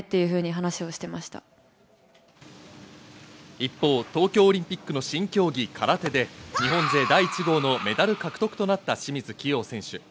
一方、東京オリンピックの新競技・空手で日本勢第１号のメダル獲得となった清水希容選手。